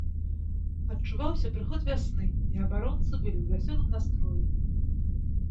Адчуваўся прыход вясны, і абаронцы былі ў вясёлым настроі.